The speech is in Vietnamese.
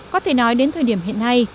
có thể nói đến thời điểm hiện nay